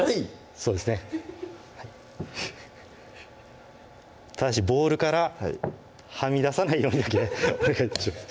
そうですねただしボウルからはみ出さないようにだけお願いします